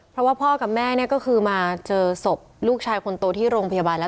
เพราะว่าพ่อกับแม่เนี่ยก็คือมาเจอศพลูกชายคนโตที่โรงพยาบาลแล้ว